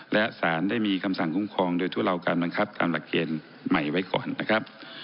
และสารได้มีคำสั่งคุ้มครองโดยทุเลาการบังคับตามหลักเกณฑ์ใหม่ไว้ก่อนนะครับ